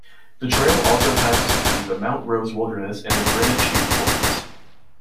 The trail also passes through the Mount Rose Wilderness and the Granite Chief Wilderness.